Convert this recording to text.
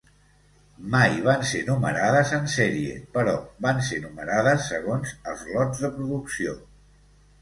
Mai van ser numerades en sèrie, però van ser numerades segons els lots de producció.